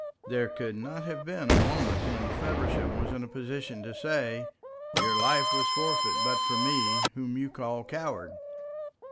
There could not have been a moment when Feversham was in a position to say, "Your life was forfeit but for me, whom you call coward."